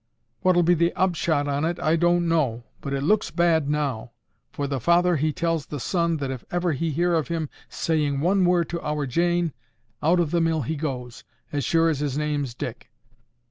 "What'll be the upshot on it, I don't know, but it looks bad now. For the father he tells the son that if ever he hear of him saying one word to our Jane, out of the mill he goes, as sure as his name's Dick.